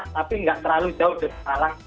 tapi nggak terlalu jauh dari sekarang